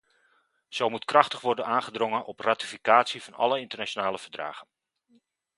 Zo moet krachtig worden aangedrongen op ratificatie van alle internationale verdragen.